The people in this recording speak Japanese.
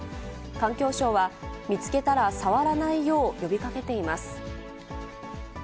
環境省は見つけたら触らないよう、呼びかけています。